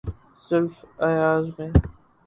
زلف ایاز میں۔